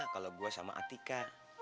kalau gue sama atika